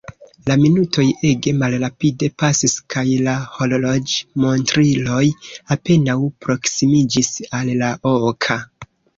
La minutoj ege malrapide pasis kaj la horloĝmontriloj apenaŭ proksimiĝis al la oka.